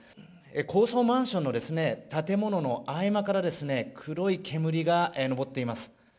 高層マンションの建物の合間から黒い煙が上っています。